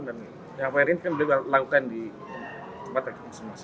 dan yang paling penting beliau lakukan di tempat tempat semuanya